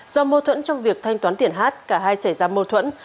do mô thuẫn trong việc thanh toán tiền hát cả hai xảy ra mô thuẫn